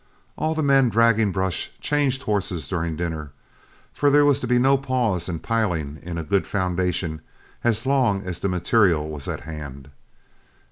All the men dragging brush changed horses during dinner, for there was to be no pause in piling in a good foundation as long as the material was at hand.